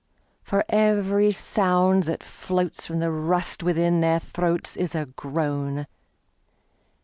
For every sound that floatsFrom the rust within their throatsIs a groan.